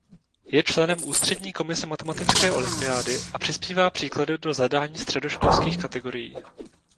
Je členem Ústřední komise Matematické olympiády a přispívá příklady do zadání středoškolských kategorií.